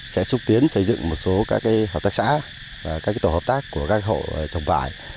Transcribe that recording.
sẽ xúc tiến xây dựng một số các hợp tác xã các tổ hợp tác của các hộ trồng vải